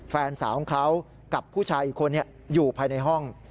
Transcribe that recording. แฟนสาวของเขากับผู้ชายอีกคนอยู่ภายในห้อง